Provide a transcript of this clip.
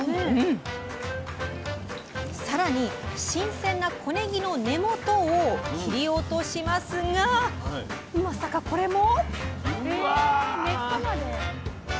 さらに、新鮮な小ねぎの根元を切り落としますがまさか、これも？